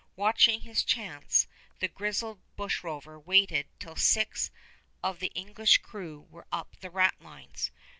Watching his chance, the grizzled bushrover waited till six of the English crew were up the ratlines.